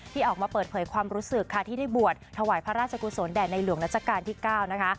ออกมาเปิดเผยความรู้สึกค่ะที่ได้บวชถวายพระราชกุศลแด่ในหลวงรัชกาลที่๙นะคะ